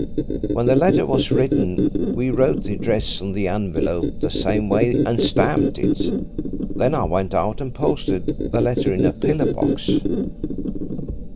When the letter was written we wrote the address on the envelope the same way, and stamped it. Then I went out and posted the letter in a pillar box."